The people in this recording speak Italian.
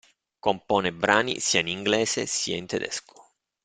Compone brani sia in inglese sia in tedesco.